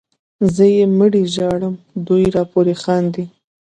زه یې مړی ژاړم دوی راپورې خاندي